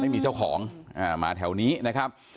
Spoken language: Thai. ไม่มีเจ้าของมาแถวนี้นะครับ